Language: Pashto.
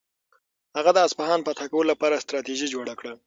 هغه د اصفهان فتح کولو لپاره ستراتیژي جوړه کړه.